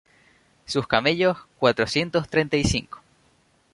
Sus camellos, cuatrocientos treinta y cinco;